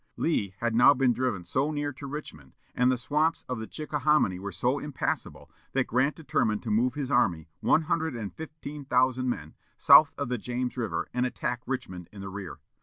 Lee had now been driven so near to Richmond, and the swamps of the Chickahominy were so impassable, that Grant determined to move his army, one hundred and fifteen thousand men, south of the James River and attack Richmond in the rear.